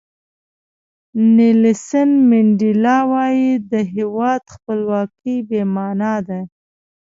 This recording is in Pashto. نیلسن منډیلا وایي د هیواد خپلواکي بې معنا ده.